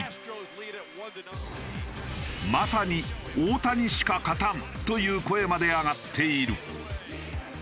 まさに「大谷しか勝たん」という声まで上がっている。